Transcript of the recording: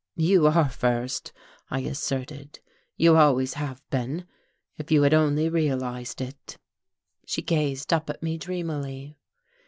"You are first," I asserted. "You always have been, if you had only realized it." She gazed up at me dreamily.